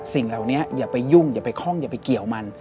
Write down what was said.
สิ่งเหล่านี้อย่าไปยุ่งอย่าไปคล่องอย่าไปเกี่ยวมัน